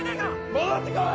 戻ってこい！